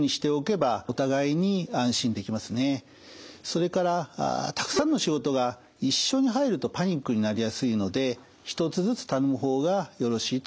それからたくさんの仕事が一緒に入るとパニックになりやすいので１つずつ頼む方がよろしいと思います。